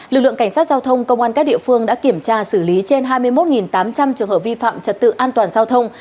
lực lượng cảnh sát giao thông công an các địa phương đã kiểm tra xử lý trên hai mươi một tám trăm linh trường hợp vi phạm trật tự an toàn giao thông